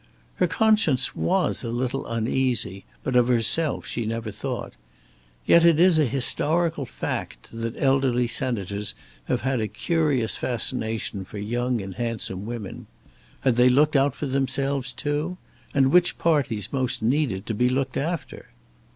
Her conscience was a little uneasy; but of herself she never thought. Yet it is a historical fact that elderly senators have had a curious fascination for young and handsome women. Had they looked out for themselves too? And which parties most needed to be looked after?